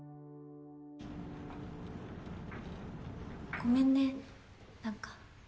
ごめんね何か。